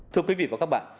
thưa quý vị và các bạn